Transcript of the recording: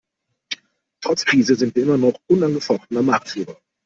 Trotz Krise sind wir immer noch unangefochtener Marktführer.